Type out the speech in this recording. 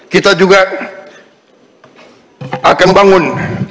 kita juga akan membangun